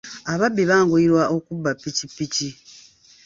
Ababbi banguyirwa okubba ppikipiki.